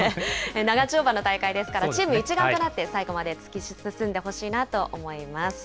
長丁場の大会ですから、チーム一丸となって、最後まで突き進んでほしいなと思います。